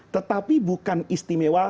tetapi bukan istimewa